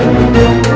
ya allah ustadz